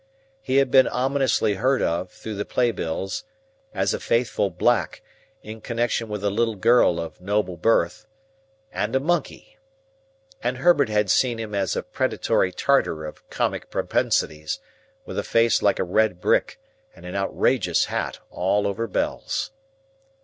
He had been ominously heard of, through the play bills, as a faithful Black, in connection with a little girl of noble birth, and a monkey. And Herbert had seen him as a predatory Tartar of comic propensities, with a face like a red brick, and an outrageous hat all over bells.